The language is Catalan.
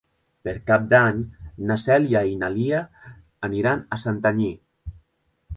Per Cap d'Any na Cèlia i na Lia aniran a Santanyí.